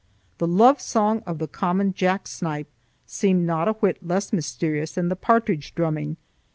The love song of the common jack snipe seemed not a whit less mysterious than partridge drumming.